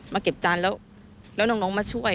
มาเก็บจานแล้วแล้วน้องมาช่วย